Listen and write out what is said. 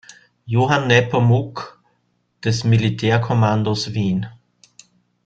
Johann Nepomuk“ des Militärkommandos Wien.